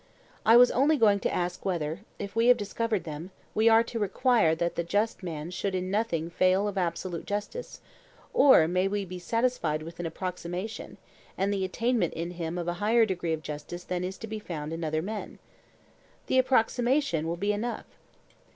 I was only going to ask whether, if we have discovered them, we are to require that the just man should in nothing fail of absolute justice; or may we be satisfied with an approximation, and the attainment in him of a higher degree of justice than is to be found in other men? The approximation will be enough.